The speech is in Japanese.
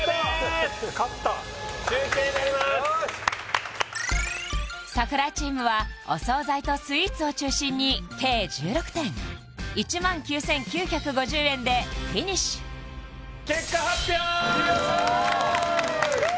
やった勝った集計になりますよし櫻井チームはお惣菜とスイーツを中心に計１６点１万９９５０円でフィニッシュ結果発表！